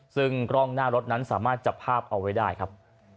ซึ่งกล้องหน้ารถนั้นสามารถจับภาพเอาไว้ได้ครับ